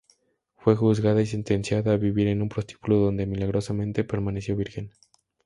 Fue juzgada y sentenciada a vivir en un prostíbulo donde, milagrosamente, permaneció virgen.